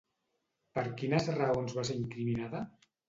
Per quines raons va ser incriminada?